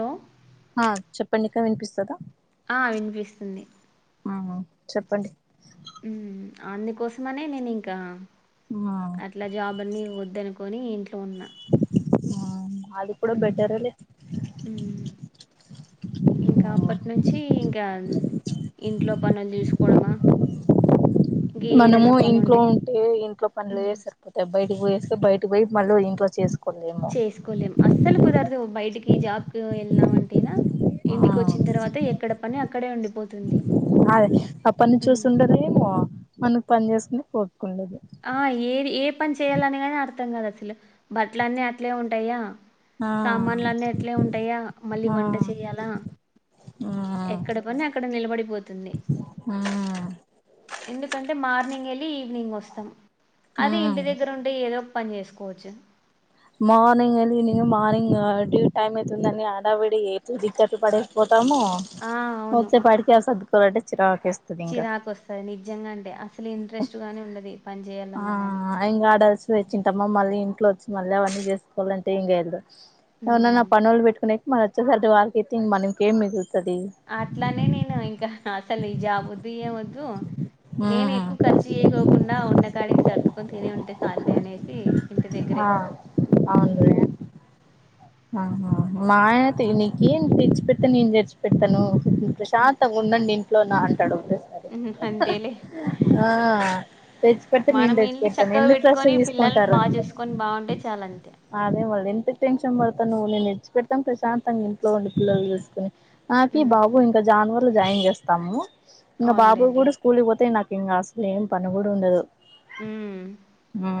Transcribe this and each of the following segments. Hello ఆ చెప్పండి ఇంకా వినిపిస్తుందా ఆ వినిపిస్తుంది ఆహా చెప్పండి అందుకోసమనే నేను ఇంకా అట్లా జాబ్ అన్నిని వద్దను కొని ఇంట్లో ఉన్న ఆ అది కూడా బెటర్ అలే ఇంకా అప్పటి నుంచి ఇంకా ఇంట్లో పనులు చేసుకోడమా మనము ఇంట్లో ఉంటే ఇంట్లో పనులు ఉమ్, సరిపోతాయి బయట పోయోస్తే బయట పోయి మళ్ళ ఇంటిలో వచ్చే చేసుకోలేం అస్సలు కుదరదు బయటికి జాబ్కి వెళ్ళినాం అంటేనా ఇంటికి వచ్చిన తర్వాత ఎక్కడ పని అక్కడే ఉండిపోతుంది అదే ఆ పని ఉమ్. చూస్తుండద ఏమో మనకి పని చేసుకుని పో ఆ ఏది ఏ పని చేయాలని కాని అర్థం కాదు అసలు బట్టల అన్నీ అట్లే ఉంటాయా ఆ సామాన్లు అన్నీ అట్లే ఉంటాయా మళ్ళీ ఆ వంట చేయాలా ఆ ఎక్కడ పని అక్కడ నిలబడిపోతుంది ఆ ఎందుకంటే మార్నింగ్ ఈవినింగ్ వస్తాం ఆ అదే ఇంటి దగ్గరుంటే ఏదో పని చేేసుకోవచ్చు మార్నింగ్ అ మార్నింగ్ డ్యూ టైమ్ అయితుందింద అడావిడితు దిక్కట్ పడపో తాము ఆ మూచ్చే పాటికి అ సర్దుకోలటేచ్చ రా చిరాకొస్తది నిజంగా అంటే అసలు ఇంట్రెస్ట్ గాని ఉండది పని చేేయాలన్నా కలిసి వచ్చింటామ్మా మళ్ళీ ఇట్ల వచ్చి మళ్ళీ అవన్నీ చేసుకోవాలంటే ఏంగేన్దో ఏవరనన్నా ఉమ్ పనోలు పెట్టుకునే మన వచ్చేసారి వార్కెటింగ్ మనకెం మిగు అట్లానే నేను ఇంకా హ అసలు ఈ జాబ్ వద్దు ఏ వద్దు నేను ఉమ్ ఎక్కువ ఖర్చు చేయకోకుండా ఉన్న కాడికి సర్దుకొని తిని ఉంటే చాల్లే అనేసి ఇంటి దగ్గరే ఆ ఉమ్ ఆహ్హ్ మా ఆయన నీకు తెచ్చి పెడతాను నేం తెచ్చి పెడతాను. ఉమ్, ప్రశాంతంగా ఉండండి ఇంట్లో నా అంటాడు ఒకేటే సారి అంతేలే అహ్హ్ ఆ తెచ్చి పెట్తే నేను మనం తెచ్చి ఇల్లు పెడతాను చక్కగా ఎందు క్లాస్లు పెట్టుకొని పిల్లల్ని తీసుకుంటారు. బాగా చూసుకొని బాగుంటే చాలు అంతే అదే మళ్ళీ ఎంత త మార్తున్నావ్ నేను విడిచి పెడతాం ప్రశాంతంగా ఇంట్లో ఉండి పిల్లలు చూసుకుని నాకి ఉమ్ బాబు ఇంకా జావ స్కూల్ జాయిన్ చేస్తాము ఇంగ బాబు అవునులేండి కూడా స్కూల్ కి పోతే నాకి ఇంగ అసలు ఏం పని కూడా ఉండదు. హ్మ్. ఆ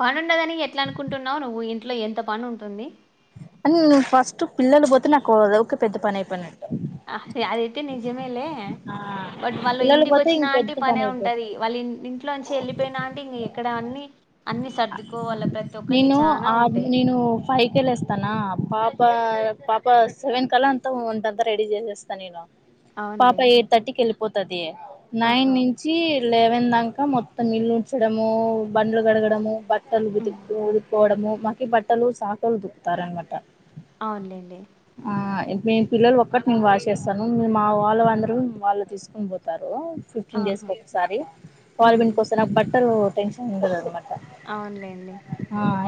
పనిండదని ఎట్లా అనుకుంటున్నావు నువ్వు ఇంట్లో ఎంత పని ఉంటుంది. అన్ ఫస్ట్ పిల్లలు పోతే నాకు అదక పెద్ద పని అయిపోనట్టు అహ్ ఆదైతే నిజమేలే ఆ బట్ వాళ్ళు పిల్లలు ఇంటికి పోతే వచ్చిన ఇంక అంటే పెద్ద పనే పని అయిపోయి ఉంటది. వాళ్ళ ఇ ఇంట్లో నుంచి వెళ్ళిపోయిన అంటే ఇం ఎక్కడ అన్ని అన్ని సర్దుకోవాల ప్రతి ఒక్కటి నేను చానా ఆబ్ ఉంటాయి. నేను ఫై కెళ్ళేస్తానా పాప పాప సెవెన్ కల అంతా వంటంతా రెడీ చేసేస్తాను నేను పాప అవునులే. ఎయిట్ థర్టీకి వెళ్ళిపోతది నైన్ ఆహా! నుంచి లేవ దాంక మొత్తం ఇల్లు ఉంచడము, బండ్లు కడగడము బట్టలు హ్మ్. ఉతికి కోవడము మకి బట్టలు సాకుల్లోలు ఉతుకుతారనమాట. అవునులేండి ఆ నేను పిల్లలు ఒక్కటి నేను వాష్ చేస్తాను. మీరు మా వాళ్ళు అందరూ వాళ్ళు తీసుకుని పోతారు. ఫిఫ్టీన్ డేస్ ఆహా! కి ఒకసారి వాళ్లు హ్మ్. పిండికోస్తే నాకు బట్టలు టెన్షన్ ఉండదన్నమాట. అవునులేండి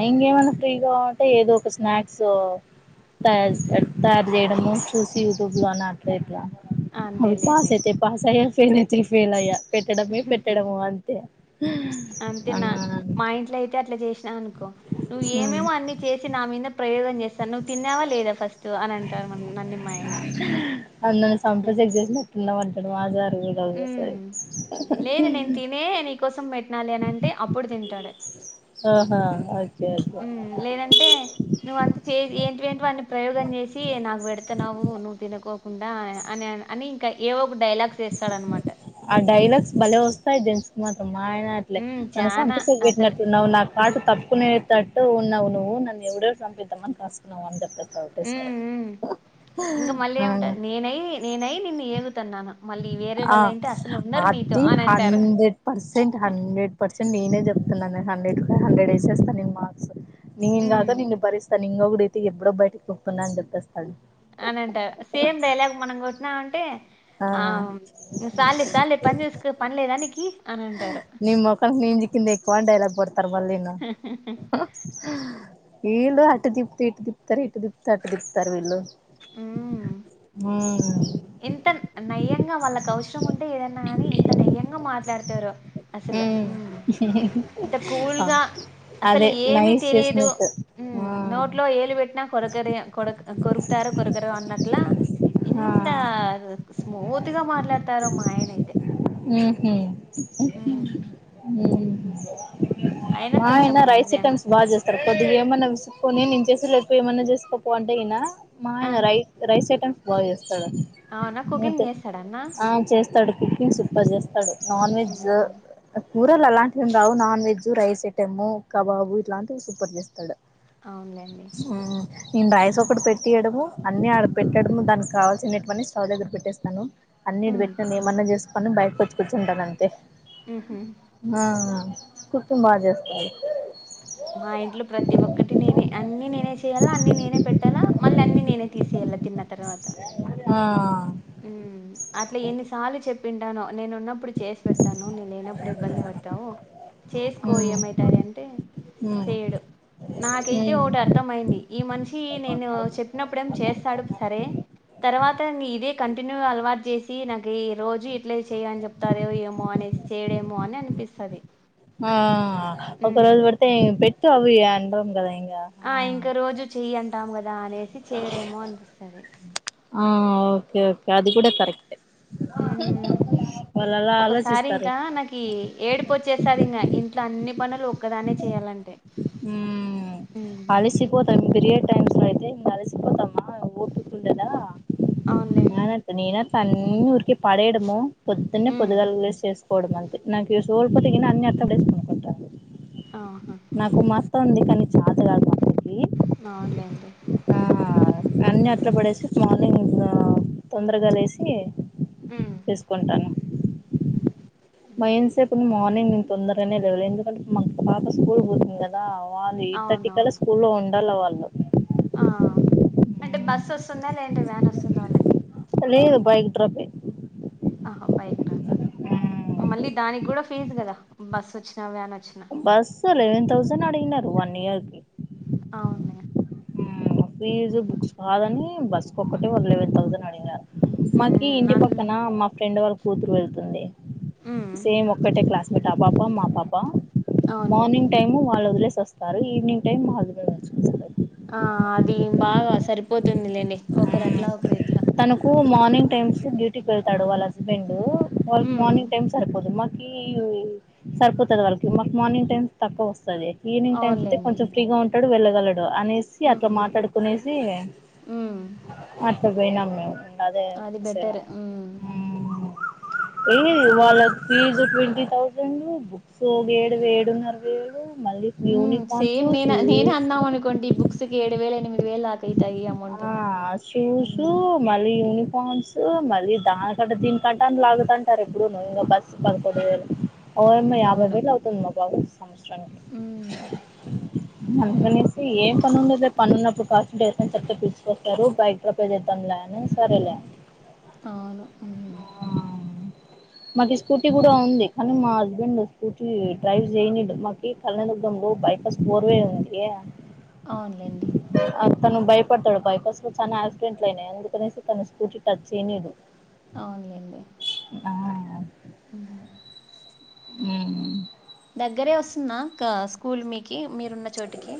ఇంగేమన్న ఫ్రీగా ఉంటే ఏదో ఒక స్నాక్స్ తయారు పె తయారు చేయడము చూసి యూట్యూబ్ లో అని అట్లా ఇట్లా అవి పాస అంతేలేండి. అయితే పాసయ్య ఫెల్ అయితే ఫెల్ అయ్య పెట్టడమే పెట్టడము అంతే ఆ అనుకో నువ్వు ఏమేమో అన్ని చేసి నా మీద ప్రయో తను తిన్నావా లేదా ఫస్ట్ అని అంటారు నన్ని మా ఆయన అ నన్ను సంపే చెగ్ చేసిన ఎట్లున్నా ఉంటాడు మాజారు హ్మ్ వడసారి అహ్హ్హ్ ఏ నీకోసం పెట్నాలే అనింటే అప్పుడు తింటాడు ఆహ ఓకే అయితే హ్మ్ లేదంటే నువ్వు అంత చే ఏంటివెంటివో అన్ని ప్రయోగం చేసి నాకు పెడుతున్నావు నువ్వు తినకోకుం డ అని అని ఇంకా ఏవో ఒక డైలాగ్స్ వేస్తాడనమాట ఆ డైలాగ్స్ బలే వస్తాయి దేన్ మతం మాయన అట్లే హ్మ్ నన్ను చానా సంతకు అసలు పెట్టినట్లు ఉన్నవ్వు నా పాటు తప్పుకునేటట్టు ఉన్నావు నువ్వు నన్ను ఎపుడెవుడు పంపిద్దామ అని కాసుకున్నావు అంతె ఓకే సరే హ్మ్ హ్మ్ ఉహ్ ఇంకా మళ్ళీ ఏమంటా నేనై నేనై నిన్ను ఏగుతున్నాను మళ్ళీ వేరే ఆ వాళ్ళు అయితే అసలు ఉండరు నీతో అది అని అంటారు హండ్రెడ్ పర్సెంట్, హండ్రెడ్ పర్సెంట్ నేనే చెప్తున్నాను హండ్రెడ్ కి హండ్రెడ్ వేసేస్తా నేను మార్క్స్ నేను హ్మ్ గాదా నిన్ను భరిస్తా నింను కూడా అయితే ఎప్పుడో బయటకికుప్పుతున్నా అని చెప్పేస్త అని అంటా సేమ్ డైలాగ్ మనం కొట్టినా మంటే ఆ సాల్లె సాల్లె పనిచుస్కో పన్లేదానీకి ని మొఖం నిన్ జిక్కింద ఎక్కువ డైలాగ్ గొడ్త తర్వల్లినొ ఏందో అటు తిప్తే ఇటు తిప్తరు ఇటు తిప్తే అటు తిప్తారు వీళ్ళు హ్మ్. ఉహు ఎంత నయ్యంగా వాళ్ళకి అవసరం ఉంటే ఏదన్నా గాని ఎంత నయ్యంగా మాట్లాడతారో అసలు ఉమ్ ఊ ఇంత ఆ కూల్గా అసలు అదే ఏమి నైస్ తెలిదు చేసినట్టు ఊ ఆ నోట్లో ఏలు పెట్టినా కొరక కొరక కొరుకుతార కొరకరు అన్నట్లా ఇన్ ఆ ఇకా స్మూత్ గా మాట్లాడతారు మా ఆయన అయితే హుమ్మ్ హ్మ్ ఆయన మా కొంచెం ఆయనా రైస్ నే ఐటమ్స్ బాగ చేస్తారు కొద్దిగా ఏమన్నా విసుగు కొని నేను చేసేట్ప్పుడు ఏమన్నా చేసుకోపో అంటే ఈయన మా ఆ! ఆయన రై రైస్ ఐటమ్స్ బాగ చేస్ అ అవునా కుకింగ్ మూత చేస్తాడా అన్న? ఆ చేస్తాడు కుకింగ్ సూపర్ చేస్తడు నాన్ వెజ్ హ్మ్. కూరలు అలాంటివి ఏం రావు non veg rice item kebab ఇట్లాంటివి సూపర్ చేత్తాడు అవునులేండి నేను రైస్ ఒకటి పెట్టియడము అన్నీ ఆడ పెట్టడము దానికి కావాల్సినేటివన్నీ స్టవ్ దగ్గర పెట్టేస్తాను అన్ని ఇడా హ్మ్. పెట్టి ఏమన్నా చేసుకొ అని బయట వచ్చి కూర్చుంటాను అంతే హుహు. ఆ కుకింగ్ బాగా చేస్తాడు మా ఇంట్లో ప్రతి ఒక్కటి నేనే అన్ని నేనే చేయాలా అన్ని నేనే పెట్టాలా మళ్ళీ అన్ని నేనే తీసి వీళ్ళ తిన్న తర్వాత ఆ ఉ అట్ల ఎన్నిసార్లు చెప్పింటానో నేను ఉన్నప్పుడు చేసి పెడతాను నేను లేనప్పుడు ఇబ్బంది పడతావు చేసుకో ఏమయితాది అంటే ఆ చెయ్యడు నాకైతే ఒకటి అర్థం అయింది ఈ మనిషి నేను చెప్పినప్పుడ ఏం చేస్తాడు సరే తర్వాత ఇదే కంటిన్యూ అలవాటు చేసి నాకు ఈరోజు ఇట్లే చేయ అని చెప్తాడె ఏమో అనేసి చేయడేమో అని ఇస్తది ఆ ఒకరోజు పడితే పెట్టు అవి కదా ఇంకా ఆ ఇంక రోజు చెయ్యంటాం కదా దా అనేసి చేయడేమో అనిపిస్తది ఆ ఓకే ఓకే అది కూడా కరెక్ట్ ఉమ్ వాళ్ళు అలా ఒకసారి ఆలోచిస్తారు ఇంకా నాకి ఏడిపు వచ్చేస్తాది ఇంకా ఇంట్లో అన్ని పనులు ఒక్కదాన్నే చేయాలంటే హ్మ్ అలసిపోతం బిరే టైమ్స్ అయితే ఇం అలిసిపోతామా ఊటుకుంటదా అవునులేండి ననా అన్నీ ఊరికి పడేయడము పొద్దున్నే హ్మ్ పొదుగాల లేసి చేసు పోవడం అంతె నాకు సోఓల్పోతే అన్ని అర్థండేసుకునుకుంటాను ఆహా నాకు హ్మ్ మత్త ఉంది కానీ చేతగాదు మక్కకి అవునులే అండి ఆ అన్ని అట్లా పడేసి మార్నింగ్ తొందరగా లేసి హ్మ్ చేసుకుంటాను మా ఏం సేపు నువు మార్నింగ్ నేను తొందరగానే లేవలే ఎందుకంటే మా పాప స్కూల్ పోతుంది కదా వాళ్ళు ఎయిట్ థర్టీ కలా అవునవును స్కూల్ లో ఉండాల వాళ్ళు ఆ అంటే బస్సు వస్తుందా లేదంటే వ్యాన్ వస్తుందా వాళ్ళకి అ లేదు బైక్ డ్రపె ఆహ బైక్ డ్రాపింగ్ మళ్ళీ దానికి కూడా ఫీజ్ కదా బస్ వచ్చినా వాన్ వచ్చినా బస్ లెవెన్ తౌసండ్ అడిగిండంట వన్ ఇయర్కి అవును ఫీజు బుక్స్ కాదని బస్సు కు ఒక్కటే లెవెన్ థౌసండ్ అడిగారు మాకి హ్మ్ ఇంటి అందులో పక్కన మా ఫ్రెండ్ వాళ్ళ కూతురు వెళ్తుంది హ్మ్ సేమ్ ఒక్కటే క్లాస్మేట్ ఆ పాప మా పాప అవునులేండి మార్నింగ్ టైమ్ వాళ్ళు వదిలే వస్తారు ఈవినింగ్ టైం బజ నచ్చుస్తారు ఆ అది బాగా సరిపోతుందిలేండి ఒకరు అట్లా ఒకరి తనకు మార్నింగ్ టైమ్స్ డ్యూటీకి వెళ్తాడు వాళ్ళ హస్బెండ్ వాళ్ళు హ్మ్ మార్నింగ్ టైమ్ సరిపోదు మ సరిపోతది వాళకి మాకు మార్నింగ్ టైమ్ తక్కువ వస్తది ఈవినింగ్ టైమ్ అయి అవునులేండి కొంచెం ఫ్రీగా ఉంటడు వెళ్ళగలడు అనేసి అట్లా హ్మ్ మాట్లాడుకునేసి హ్మ్ అట్లా పోయినాము మేము అదే అది బెటర్ హ్మ్ ఏ అందులో వాళ్ళ తీజు తీ థౌజండ్ బుక్స్ ఒక ఏడు ఏడున్నరవై ఏడు సేమ్ నే నేనే అన్నాం అనుకోండి ఈ బుక్స్కి ఏడు వేల ఎనిమిది వేలు అయితాయి అమౌంట్ ఆ అని షూసు హ్మ్ మళ్ళీ యూనిఫ ఫామ్స్ మళ్లి దానికంట దీనికంట అని లాగుతంటారు ఎప్పుడు నువ్వు ఇం బస్సు పదకొ ఓరమ్మ యాభై అవును వేలు అవుతుంది మా బ సంవత్సరానికి హ్మ్ అనే ఏం పనులు [unintelligible] కాసే న చెక్కగా పిచుకొస్తారు బైక్ డ్రప్ే చేద్దాంలే అని సరేలే అవును అ మాకి స్కూటీ కూడా ఉంది కానీ మా హస్బెండ్ స్కూటీ డ్రైవ్ చేయని మాకి కళ్యాదుర్గంలో బైపాస్ ఫోర్ వే ఉంది అవునులెండి తను భయపడతాడు బైక్స్లో చాలా క్సిడెంట్ అయినయి ఎందుకనేసి తను స్కూటీ టచ్ చేయనిదు అవునులేండి హ ఉ దగ్గరే వస్తుందా క్కా స్కూల్ మీకు మీరున్న చోటికి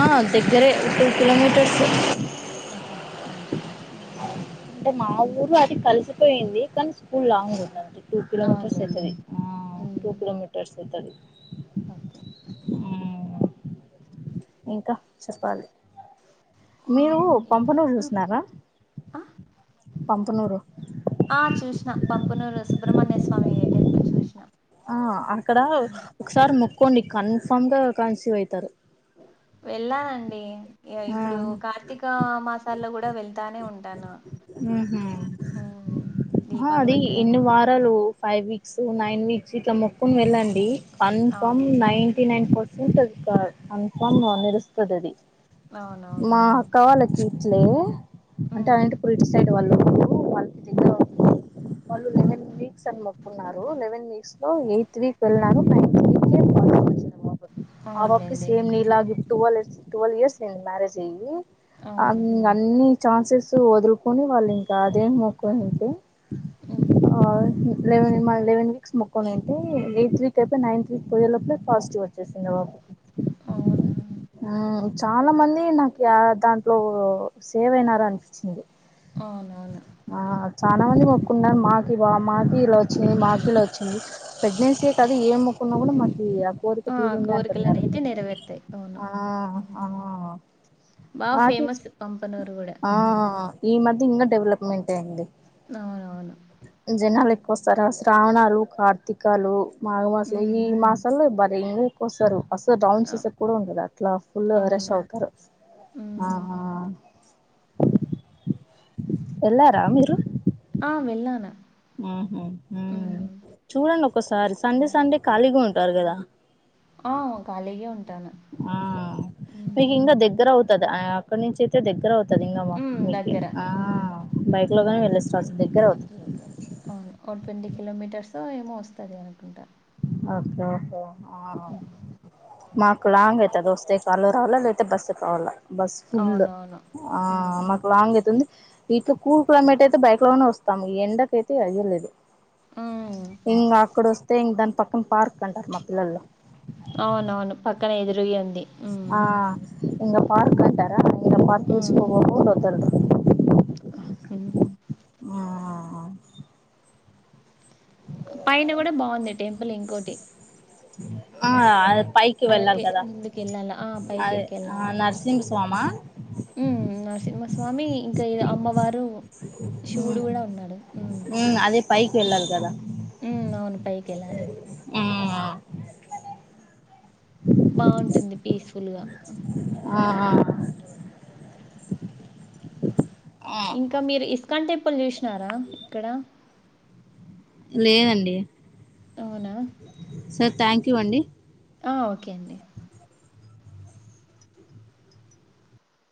ఆ దగ్గరే ఇప్పుడు కిలోమీటర్ ఆహాఓ అంటే మా ఊరు అది కలిసిపోయింది కానీ స్కూల్ లాంగ్ ఉండంది టూ కిలోమీటర్స్ అవునులేండి అయితది హ్మ్ టూ కిలోమీటర్స్ అయితది ఓకే ఇంకా చెప్పాలి మీరు హ్మ్ ఏం పంపనూరు చూసినారా పంపనూరు ఆ చూసిన పంపనూరు సుబ్రహ్మణ్య స్వామి టెంపుల్ చూసిన ఆ అక్కడ ఒకసారి మొక్కోండి కన్ఫామ్ గా కన్సివ్ అయితారు వెళ్ళాలండి ఆ ఇప్పుడు కార్తీక మాసాల్లో కూడా వెళ్తానే ఉంటాను అహ ఉమ్, దీపాలు అది ఎన్ని పెట్టడానికి అట్లా వారాలు ఫైవి సో నైన్ వీక్స్ ఇట్ల మొక్కకున్ వెళ్ళండి కన్ఫమ్ అవును నైన్టీ నైన్ పర్ ఉంటది ఇక కన్ఫర్మ్గా మెరుస్తదది. అవునవును మా ఉమ్, అక్క వాళ్ళకి ఇట్లే అంటే ఆ ఉమ్, ఇంటి [inaudible] సైడ్ వాళ్ళు ఉంటరు వాళ్ళకి దగ్గర వాళ్ళు లేనే వీక్స్ అన్ మొకున్నారు లెవెన్ వీక్స్లో ఎయిత్ వీక్ వెళ్ళినారు నైన్త్ [inaudible] ఆ బాబ్కి అవునులేండి సేమ్ నీలాగే ట్వల్వ్ ట్వల్వ్ ఇయర్స్ అయింది మ్యారేజ్ అయ్యి అ అవును ఇ అన్ని ఛాన్సెస్ వదులుకొని వాళ్ళు ఇంకా అదేం మొక్కు ఇంక ఉమ్, ఆ లెవెన్ మన లెవెన్ వీక్స్ మొక్కున అయితే వీక్ నైన్ వీవ్ ట్వల్వ్ లోపలే పాజిటివ్ వచ్చేసింది అవునా మాక్ చాలా మంది నాకు ఆ దాంట్లో సేవ్ అయినార అనిపిచ్చింది. అవునవును ఆ చాలా మంది మొక్కున్నార్ మా ఇగ మాకి ఇలా వచ్చింది మాక్ ఇలా వచ్చింది ప్రెగ్నెన్సీయే కాదు ఏం మొక్కున్న గుడా మ ఈ ఆ కోరిక తీరింది అంటున్నారు. కోరికలనైతే నెరవేరుతాయి అవును ఉమ్. బాగా ఆ ఫేమస్ పంపనూరు కూడా ఆ ఉమ్, ఈ మద్ ఇంకా డెవలప్మెంట్ అయింది. అవునవును. కొస్తార శ్రావణాలు, కార్తీకాలు, మాఘమాసం ఈ ఉమ్, మాసాల్లో బట్ ఎక్కు వస్తరు అసల్ డౌన్ అవ్- చేసేక గుడా ఉండదు అట్లా ఫుల్ రష్ అవును అవుతారు. ఉమ్. ఎళ్ళారా మీరు ఆ వెళ్ళానా ఆ మ్ చూడండ్ ఒసారి సండే వెళ్ళాను సండే ఖాళీగా ఉంటారు కదా ఆ ఖాళీగే ఉంటాను. ఆ అక్కడ్ నుంచి అయితే దగ్గర అవుతది ఇంకా మా హ్మ్. మీకి దగ్గర. హ్మ్. బైక్ లోగ ప్లస్ స్టార్స్ దగ్గరవు అవును ఓ ట్వంటీ కిలోమీటర్సో ఏమో వస్తది అనుకుంటా ఓకే ఓకే ఆ హ్మ్. మాకు లాంగ్ అయితది వస్తే కార్లో రావాలా లేకపోతే బస్సుక్ రావాలా బస్ ఫుల్ అవునవును. ఆ హ్మ్. మాకు లాంగ్ అయితుంది. ఇటు కూల్ క్లైమేట్ అయితే బైక్లోనే వస్తాము ఈ ఎండకైతే అయ్యలేదు. హ్మ్. ఇంగ అక్కడొస్తే దాన్ పక్కన పార్క్ అంటారు మా పిల్లలు అవునవును పక్కన ఎదురై ఉంది. ఇంగ పార్క్ అంటారా [inaudible] హ్మ్. హ్మ్. ఆ పైన గుడా బాగుంది టెంపుల్ ఇంకోటి ఆ పైకి వెళ్ళాల్ అలాగే కదా ముందుకెళ్ళాల. ఆ! అదే ఆ పైకెక్కెళ్ళాలి. నరససింగ్ స్వామా హ్మ్. నరసింహస్వామి ఇంక ఈ అమ్మవారు శివుడు ఉమ్ గుడా ఉన్నాడా కెల్లాల్ కదా మ్ అవును పైకెళ్ళాలి. మ్ అ బాగుంటుంది పీస్ఫుల్గా ఆ ఆ ఆ ఇంకా మీరు ఇస్కాన్ టెంపుల్ చూసినారా ఇక్కడ లేదండి. అవునా సో థ్యాంక్ యూ అండి. ఆ ఓకే అండి.